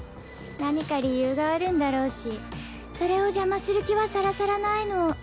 何か理由があるんだろうしそれを邪魔する気はさらさらないの。